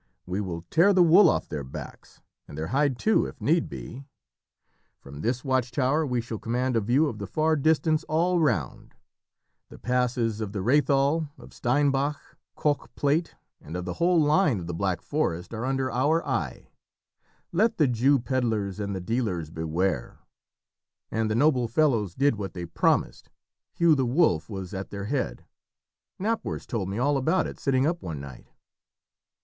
We will tear the wool off their backs, and their hide too, if need be. From this watch tower we shall command a view of the far distance all round. The passes of the Rhéthal, of Steinbach, Koche Plate, and of the whole line of the Black Forest are under our eye. Let the Jew pedlars and the dealers beware!' And the noble fellows did what they promised. Hugh the Wolf was at their head. Knapwurst told me all about it sitting up one night."